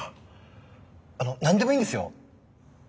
あの何でもいいんですよ？